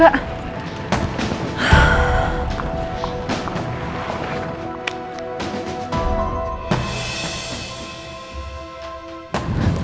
akhirnya sampai jakarta juga